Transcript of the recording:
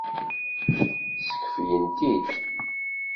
Skeflen-t-id.